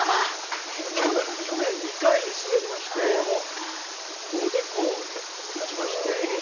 去年２回、滑りましておでこを打ちまして。